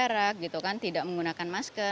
tidak menjaga jarak gitu kan tidak menggunakan masker